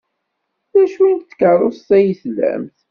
D acu n tkeṛṛust ay tlamt?